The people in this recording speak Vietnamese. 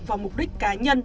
vào mục đích cá nhân